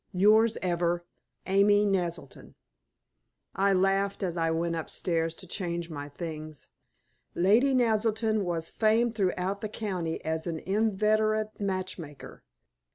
"Yours ever, "Amy Naselton." I laughed as I went upstairs to change my things. Lady Naselton was famed throughout the county as an inveterate matchmaker.